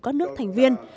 các nước thành viên